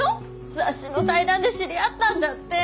雑誌の対談で知り合ったんだってぇ。